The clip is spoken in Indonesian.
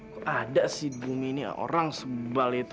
kok ada sih bumi ini orang sebal itu